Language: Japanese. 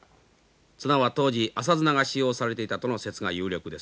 綱は当時麻綱が使用されていたとの説が有力です。